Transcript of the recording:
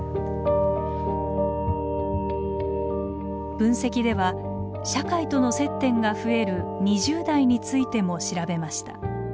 分析では社会との接点が増える２０代についても調べました。